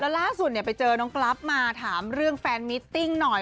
ล่าสุดไปเจอน้องกรัฟมาถามเรื่องแฟนมิตติ้งหน่อย